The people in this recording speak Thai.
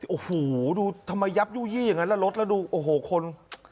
โอ้โหดูทำไมยับยู่ยี่อย่างนั้นแล้วรถแล้วดูโอ้โหคน